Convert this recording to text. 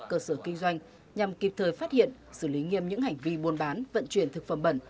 cơ sở kinh doanh nhằm kịp thời phát hiện xử lý nghiêm những hành vi buôn bán vận chuyển thực phẩm bẩn